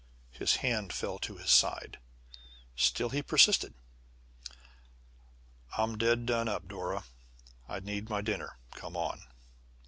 His hand fell to his side. Still, he persisted. "I'm dead done up, Dora. I need my dinner, come on!"